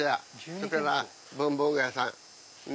それから文房具屋さん。